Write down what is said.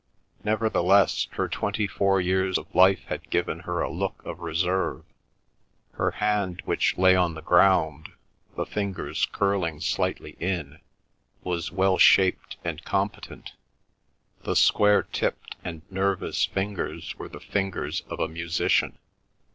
Nevertheless her twenty four years of life had given her a look of reserve. Her hand, which lay on the ground, the fingers curling slightly in, was well shaped and competent; the square tipped and nervous fingers were the fingers of a musician.